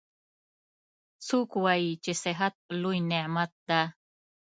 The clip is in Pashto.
څوک وایي چې صحت لوی نعمت ده